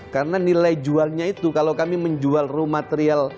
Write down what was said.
karena nilai jualnya itu kalau kami menjual ruang material